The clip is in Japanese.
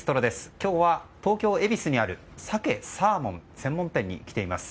今日は東京・恵比寿にあるサケ・サーモン専門店に来ています。